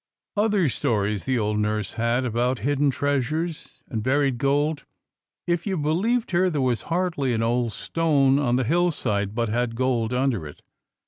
Other stories the old nurse had, about hidden treasures and buried gold. If you believed her, there was hardly an old stone on the hillside but had gold under it.